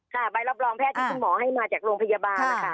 ใบรับรองแพทย์ที่คุณหมอให้มาจากโรงพยาบาลนะคะ